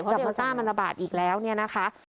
เพราะเดี๋ยวต้ามันระบาดอีกแล้วเนี่ยนะคะ